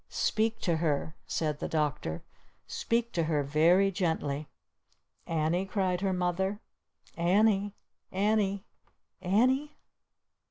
"Speak to her!" said the Doctor. "Speak to her very gently!" "Annie?" cried her Mother. "Annie? Annie _Annie?